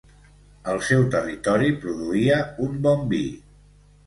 El seu territori produïa un bon vi.